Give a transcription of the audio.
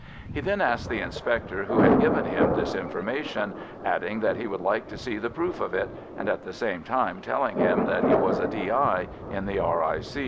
He then asked the inspector who had given him this information, adding that he would like to see the proof of it, and at the same time telling him that he was a D.I. in the R.I.